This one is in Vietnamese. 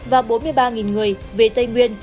và bốn mươi ba người về tây nguyên